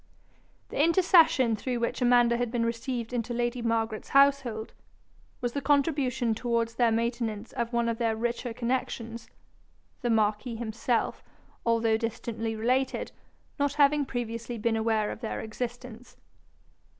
The intercession through which Amanda had been received into lady Margaret's household, was the contribution towards their maintenance of one of their richer connections: the marquis himself, although distantly related, not having previously been aware of their existence.